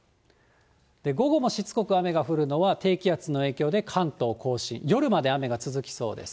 午後もしつこく雨が降るのは、低気圧の影響で関東甲信、夜まで雨が続きそうです。